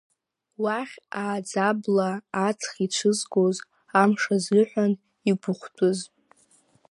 Уахь ааӡабла аҵх иацәызго, Амш азыҳәан игәыхәтәыз.